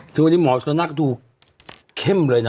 ซึ่งวันนี้หมอสุนัขก็ดูเข้มเลยนะ